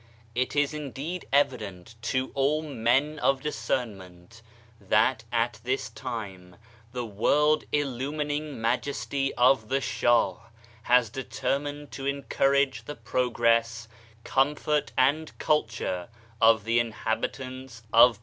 It is indeed evident to all men of discernment that at this time the world illumining majesty of the Shah has determined to encourage the progress, comfort and culture of the inhabitants of Persia; ' i.